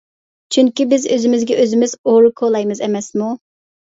چۈنكى بىز ئۆزىمىزگە ئۆزىمىز ئورا كولايمىز ئەمەسمۇ.